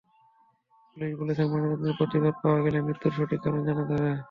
Police বলেছে, ময়নাতদন্তের প্রতিবেদন পাওয়া গেলে মৃত্যুর সঠিক কারণ জানা যাবে।